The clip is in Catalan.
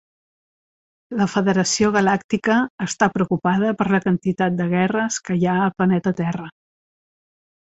La Federació Galàctica està preocupada per la quantitat de guerres que hi ha al planeta Terra.